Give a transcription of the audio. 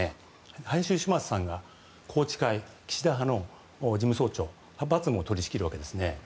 林芳正さんが宏池会岸田派の事務総長派閥も取り仕切るわけですね。